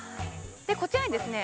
こちらにですね